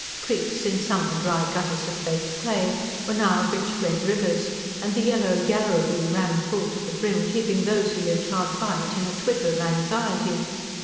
Creeks in summer dry gutters of baked clay were now rich red rivers; and the yellow Yarrowee ran full to the brim, keeping those who lived hard by it in a twitter of anxiety.